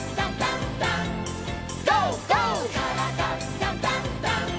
「からだダンダンダン」